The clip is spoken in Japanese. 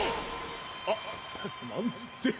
あっなんつって。